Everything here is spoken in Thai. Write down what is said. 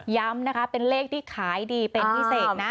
ย้ำนะคะเป็นเลขที่ขายดีเป็นพิเศษนะ